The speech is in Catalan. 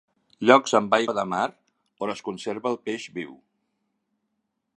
Llocs amb aigua de mar on es conserva el peix viu.